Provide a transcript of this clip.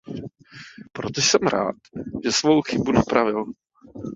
Proto jsem rád, že svou chybu napravil.